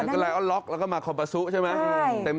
ก็ไลออนล็อกแล้วก็มาคอมปาซุใช่ไหม